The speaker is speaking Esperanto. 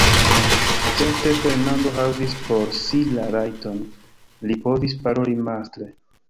Certe Fernando havis por si la rajton: li povis paroli mastre.